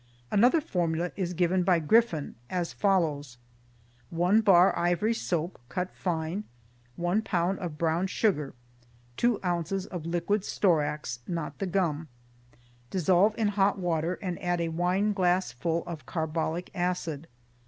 Another formula is given by Griffin, as follows: 1 bar ivory soap, cut fine, 1 pound of brown sugar, 2 ounces liquid storax (not the gum). Dissolve in hot water and add a wine glassful of carbolic acid.